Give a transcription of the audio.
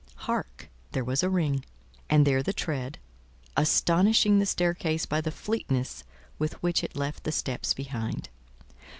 Hark! There was the ring, and there the tread, astonishing the staircase by the fleetness with which it left the steps behind.